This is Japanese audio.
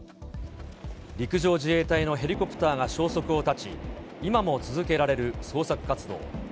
陸上自衛隊のヘリコプターが消息を絶ち、今も続けられる捜索活動。